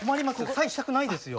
サインしたくないですよ。